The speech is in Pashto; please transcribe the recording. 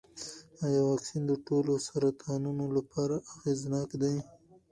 ایا واکسین د ټولو سرطانونو لپاره اغېزناک دی؟